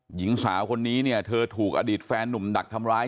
หญิงสาวคนนี้เนี่ยเธอถูกอดีตแฟนหนุ่มดักทำร้าย